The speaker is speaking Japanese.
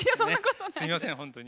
すいません本当に。